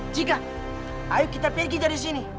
jika ayo kita pergi dari sini